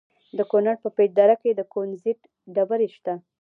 د کونړ په پيچ دره کې د کونزیټ ډبرې شته.